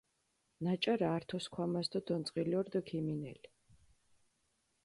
ნაჭარა ართო სქვამას დო დონწყილო რდჷ ქიმინელი.